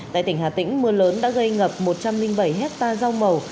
tại tỉnh hà tĩnh mưa lớn đã gây ngập một trăm linh bảy hectare rau màu